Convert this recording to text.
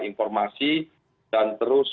informasi dan terus